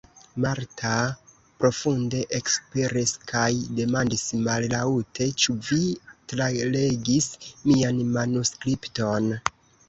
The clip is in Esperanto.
Marta profunde ekspiris kaj demandis mallaŭte: -- Ĉu vi tralegis mian manuskripton?